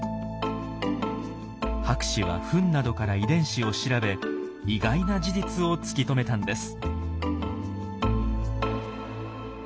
博士は糞などから遺伝子を調べ意外な事実を突き止めたんです。